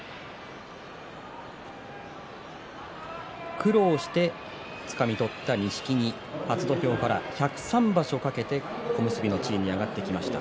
苦労してつかみ取った錦木初土俵から１０３場所かけて小結の地位に上がってきました。